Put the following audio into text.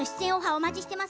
お待ちしています。